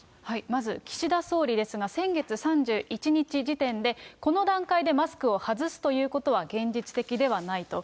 まず岸田総理ですが、先月３１日時点で、この段階でマスクを外すということは、現実的ではないと。